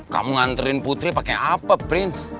kamu nganterin putri pakai apa prince